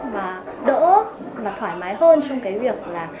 mà đỡ và thoải mái hơn trong cái việc là